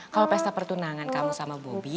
kalau pesta pertunangan kamu sama bobi